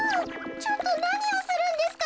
ちょっとなにをするんですか！？